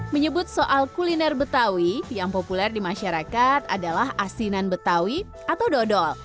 menyebut soal kuliner betawi yang populer di masyarakat adalah asinan betawi atau dodol